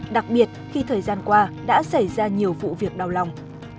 đặc biệt khi thời gian qua đã xảy ra nhiều vụ việc đau lòng